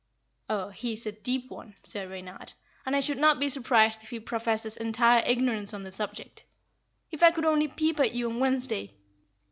Oh, he is a deep one, Sir Reynard, and I should not be surprised if he professes entire ignorance on the subject. If I could only peep at you on Wednesday!